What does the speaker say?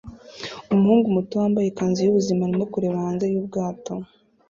Umuhungu muto wambaye ikanzu yubuzima arimo kureba hanze yubwato